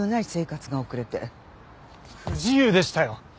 不自由でしたよ！